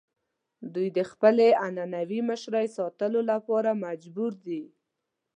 دوی د خپلې عنعنوي مشرۍ ساتلو لپاره مجبور دي.